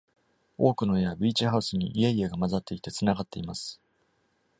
多くの家はビーチハウスに家々が混ざっていて繋がっています。